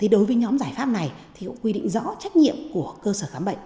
đối với nhóm giải pháp này thì quy định rõ trách nhiệm của cơ sở khám bệnh